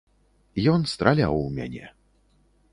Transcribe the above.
Ён страляў у мяне.